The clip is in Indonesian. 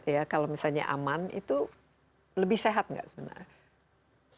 ya kalau misalnya aman itu lebih sehat nggak sebenarnya